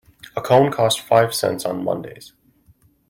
A cone costs five cents on Mondays.